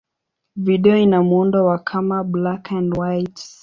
Video ina muundo wa kama black-and-white.